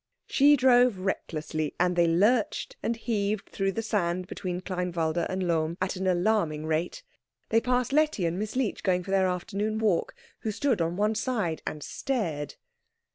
She drove recklessly, and they lurched and heaved through the sand between Kleinwalde and Lohm at an alarming rate. They passed Letty and Miss Leech, going for their afternoon walk, who stood on one side and stared.